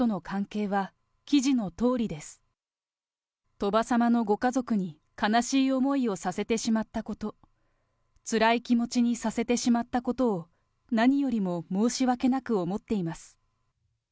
鳥羽様のご家族に悲しい思いをさせてしまったこと、つらい気持ちにさせてしまったことを、何よりも申し訳なく思っています。